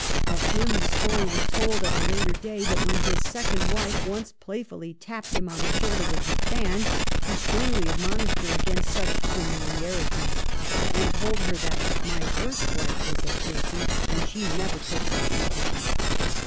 Of him the story was told, at a later day, that when his second wife once playfully tapped him on the shoulder with her fan he sternly admon ished her against such familiarities, and told her that ' my first wife was a Percy, and she never took such a liberty.'